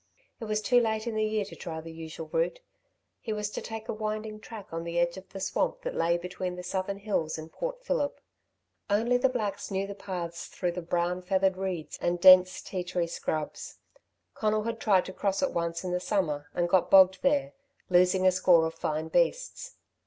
It was too late in the year to try the usual route. He was to take a winding track on the edge of the swamp that lay between the southern hills and Port Phillip. Only the blacks knew the paths through the brown feathered reeds and dense ti tree scrubs. Conal had tried to cross it once in the summer and got bogged there, losing a score of fine beasts.